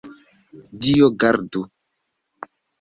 Dio gardu!